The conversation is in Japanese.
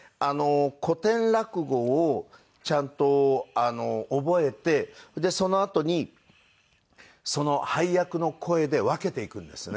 古典落語をちゃんと覚えてそのあとにその配役の声で分けていくんですね。